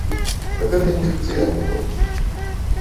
Гэта не спецыяльны ход.